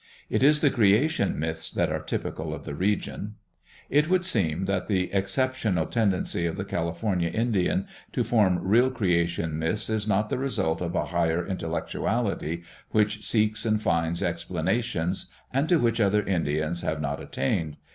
It is the creation myths that are typical of the region. It would seem that the exceptional tendency of the California Indian to form real creation myths is not the result of a higher intellectuality which seeks and finds explanations and to which other Indians have not attained.